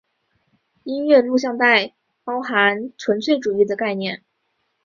音乐录像带包含纯粹主义的概念。